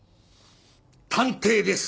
探偵です。